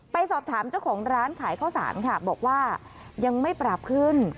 ไปสอบถามเจ้าของร้านขายข้าวสารค่ะบอกว่ายังไม่ปรับขึ้น